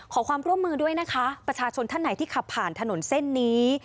ขอความร่วมมือด้วยนะคะประชาชนท่านไหนที่ขับผ่านถนนเส้นนี้